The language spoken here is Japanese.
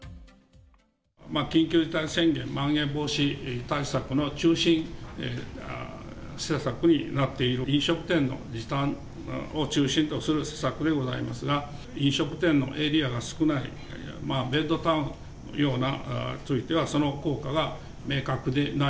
緊急事態宣言、まん延防止対策の中心政策になっている飲食店の時短を中心とする施策でございますが、飲食店のエリアが少ないベッドタウンのようなものについては、その効果が明確でない。